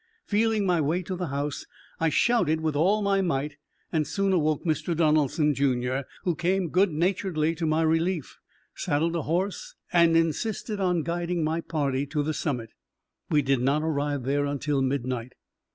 Feeling my way to the house, I shouted with all my might, and soon awoke Mr. Donaldson, Jr., who came good naturedly to my relief, saddled a horse, and insisted on guiding my party to the summit. We did not arrive there until midnight.